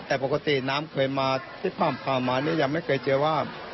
แต่ปกติน้ำเคยมาที่ผ่านมาเนี่ยยังไม่เคยเจอว่า